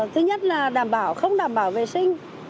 thứ nhất là đảm bảo không đảm bảo vệ sinh